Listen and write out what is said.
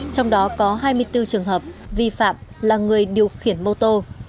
trong đó có hai mươi bốn trường hợp vi phạm là người điều khiển mô tô